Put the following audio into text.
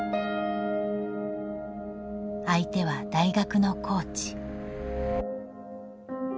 「相手は大学のコーチ」。